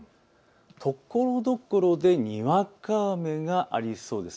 ところどころでにわか雨がありそうです。